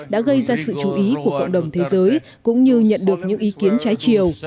đã gây ra sự chú ý của cộng đồng thế giới cũng như nhận được những ý kiến trái chiều